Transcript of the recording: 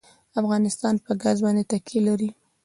افغانستان په ګاز باندې تکیه لري.